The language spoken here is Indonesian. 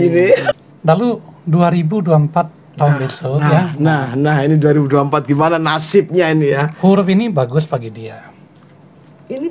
siapapun itu kita tidak tertuju pada orang lain